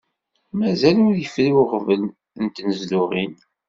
Mazal ur yefri uɣbel n tnezduɣin.